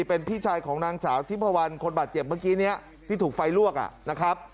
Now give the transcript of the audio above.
เป็นพี่ชายของนางสาวทิพวันคนบาดเจ็บเมื่อกี้นี้ที่ถูกไฟลวกนะครับ